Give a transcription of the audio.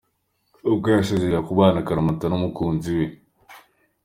ubwo yasezeranaga kubana akaramata n’umukunzi we.